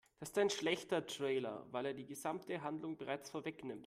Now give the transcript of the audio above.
Das ist ein schlechter Trailer, weil er die gesamte Handlung bereits vorwegnimmt.